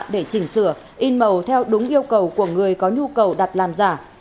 để chỉnh sửa in màu theo đúng yêu cầu của người có nhu cầu đặt làm giả